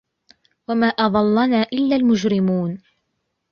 وما أضلنا إلا المجرمون